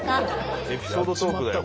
エピソードトークだよほら。